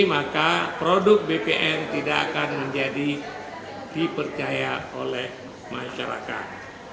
maka produk bpn tidak akan menjadi dipercaya oleh masyarakat